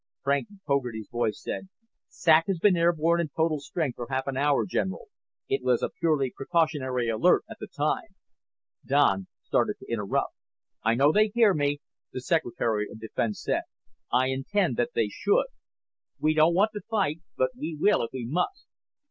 Frank Fogarty's voice said: "SAC has been airborne in total strength for half an hour, General. It was a purely precautionary alert at the time." Don started to interrupt. "I know they hear me," the Secretary of Defense said. "I intend that they should. We don't want to fight but we will if we must.